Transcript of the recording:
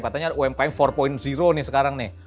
katanya umkm empat nih sekarang nih